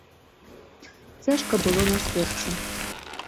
Цяжка было на сэрцы.